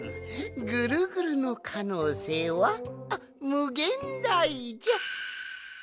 ぐるぐるのかのうせいはむげんだいじゃ！